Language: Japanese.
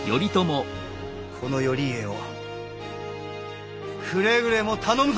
この頼家をくれぐれも頼むぞ！